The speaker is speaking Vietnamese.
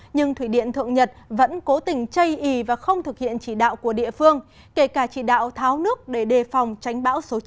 nhưng thủy điện thượng nhật vẫn cố tình chây ý và không thực hiện chỉ đạo của địa phương kể cả chỉ đạo tháo nước để đề phòng tránh bão số chín